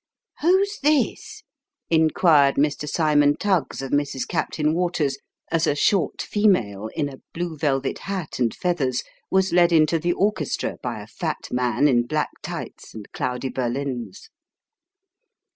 " Who's this ?" inquired Mr. Cymon Tuggs of Mrs. Captain Waters, as a short female, in a blue velvet hat and feathers, was led into the orchestra, by a fat man in black tights and cloudy Berlins.